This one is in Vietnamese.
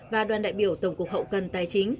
và đoàn đại biểu tổng cục hậu cần tài chính